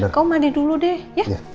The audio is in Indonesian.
kau mandi dulu deh ya